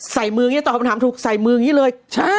ใส่มืออย่างนี้ตอบคำถามถูกใส่มืออย่างนี้เลย